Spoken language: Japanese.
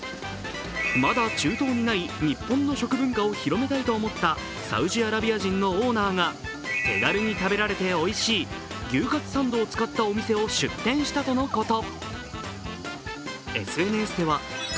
まだ中東にない日本の食文化を広めたいと思ったサウジアラビア人のオーナーが、手軽に食べられておいしい牛カツサンドを使ったお店を出店したとのこと。